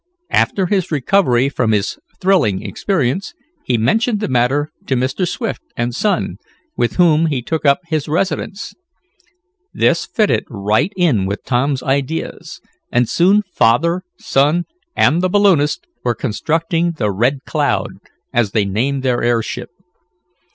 After his recovery from his thrilling experience, he mentioned the matter to Mr. Swift and his son, with whom he took up his residence. This fitted right in with Tom's ideas, and soon father, son and the balloonist were constructing the Red Cloud, as they named their airship.